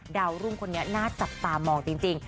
ดาวรุ่งคนนี้น่าจับตามองจริง